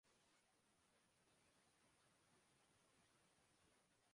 چنانچہ فتویٰ اگر مخاطب کی پسند کے مطابق نہ ہو تو اکثر وہ اسے ماننے سے انکار کر دیتا ہے